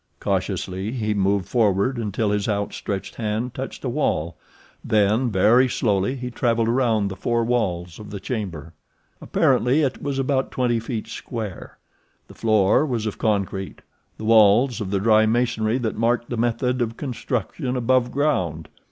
Cautiously he moved forward until his out stretched hand touched a wall, then very slowly he traveled around the four walls of the chamber. Apparently it was about twenty feet square. The floor was of concrete, the walls of the dry masonry that marked the method of construction above ground.